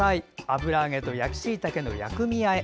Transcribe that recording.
油揚げと焼きしいたけの薬味あえ。